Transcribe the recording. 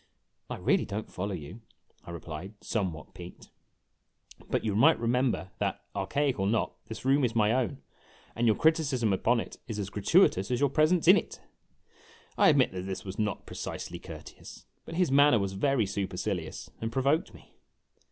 " I really don't follow you," I replied, somewhat piqued, "but you might remember that, archaic or not, this room is my own, and your criticism upon it is as gratuitous as your presence in it !" I admit that this was not precisely courteous, but his manner was very supercilious and provoked me.